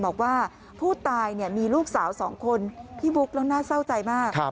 บอกว่าผู้ตายมีลูกสาว๒คนพี่บุ๊คแล้วน่าเศร้าใจมาก